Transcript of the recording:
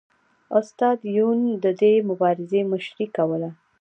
استاد یون د دې مبارزې مشري کوله